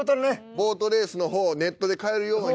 ボートレースの方をネットで買えるように。